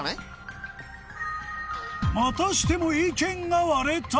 またしても意見が割れた